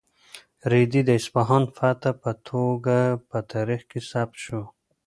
رېدي د اصفهان فاتح په توګه په تاریخ کې ثبت شو.